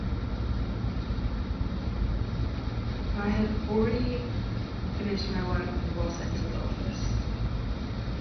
I had already finished my work when the boss entered the office.